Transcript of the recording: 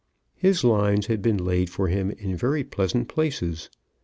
His lines had been laid for him in very pleasant places.